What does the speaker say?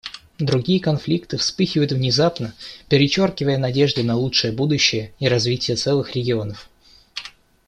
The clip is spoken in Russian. Другие конфликты вспыхивают внезапно, перечеркивая надежды на лучшее будущее и развитие целых регионов.